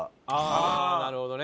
ああなるほどね。